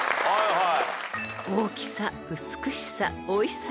はい。